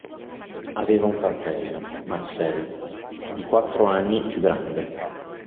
Aveva un fratello, Marcel, di quattro anni più grande.